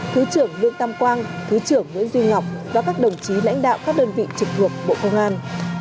thứ trưởng lương tam quang thứ trưởng nguyễn duy ngọc và các đồng chí lãnh đạo các đơn vị trực thuộc bộ công an